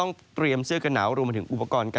ในแต่ละพื้นที่เดี๋ยวเราไปดูกันนะครับ